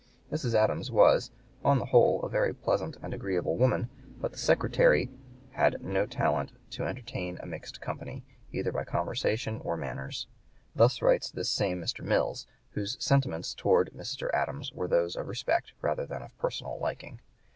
Mrs. Adams was, "on the whole, a very pleasant and agreeable woman; but the Secretary [had] no talent to entertain a mixed company, either by conversation or manners;" thus writes this same Mr. Mills, whose sentiments towards Mr. Adams were those of respect rather than of personal liking.